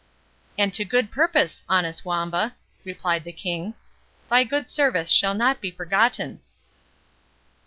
"And to good purpose, honest Wamba," replied the King. "Thy good service shall not be forgotten."